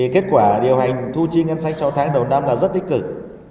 kết quả điều hành thu chi ngân sách sáu tháng đầu năm là rất tích cực